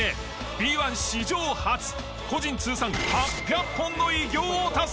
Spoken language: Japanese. Ｂ１史上初個人通算８００本の偉業を達成！